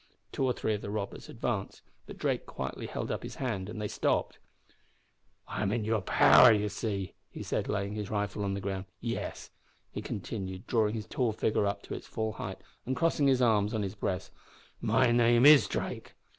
Two or three of the robbers advanced, but Drake quietly held up his hand, and they stopped. "I'm in your power, you see," he said, laying his rifle on the ground. "Yes," he continued, drawing his tall figure up to its full height and crossing his arms on his breast, "my name is Drake.